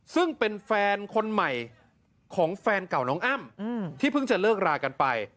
ซึ่งเป็นแฟนคนใหม่ของแฟนเก่าน้องอ้ำที่เพิ่งจะเลิกรากันไป